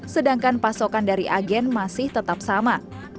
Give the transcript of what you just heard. sedangkan pasokan dari agen masih tetap sama